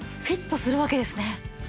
フィットするわけですね。